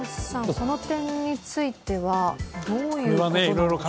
この点については、どういうことなんでしょうか？